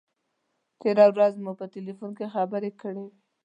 تېره ورځ مو په تیلفون کې خبرې کړې وې.